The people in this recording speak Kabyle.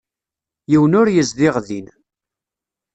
Yiwen ur yezdiɣ din.